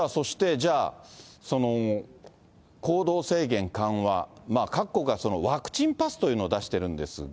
じゃあ、行動制限緩和、各国はワクチンパスというのを出してるんですが。